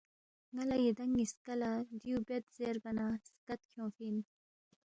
ن٘ا لہ یدانگ نِ٘یسکا لہ دیُو بید زیربا نہ سکت کھیونگفی اِن